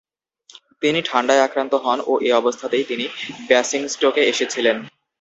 তিনি ঠাণ্ডায় আক্রান্ত হন ও এ অবস্থাতেই তিনি ব্যাসিংস্টোকে এসেছিলেন।